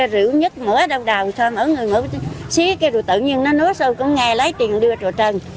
rượu nhất mỗi đồng đào xíu cái đồ tự nhiên nó nốt xong cũng nghe lấy tiền đưa trò trần